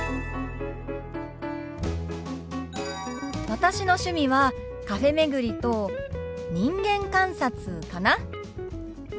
私の趣味はカフェ巡りと人間観察かな。